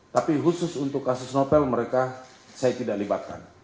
tapi khusus untuk kasus novel mereka saya tidak libatkan